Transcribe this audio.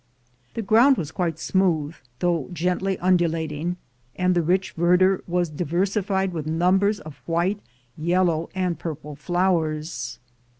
The ground was quite smooth, though gently undulating, and the rich verdure was diversified with numbers of wlnte, yellow, and purple flowers.